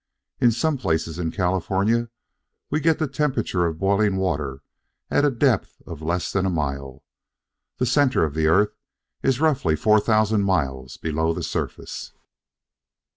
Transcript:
In some places in California we get the temperature of boiling water at a depth of less than a mile. The center of the earth is roughly 4,000 miles below the surface.